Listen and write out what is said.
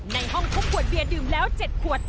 ในห้องพบขวดเบียร์ดื่มแล้ว๗ขวด